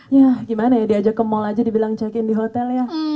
ya gimana ya diajak ke mall aja dibilang check in di hotel ya